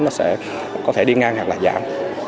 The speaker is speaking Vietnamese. nó sẽ có thể đi ngang hoặc là giảm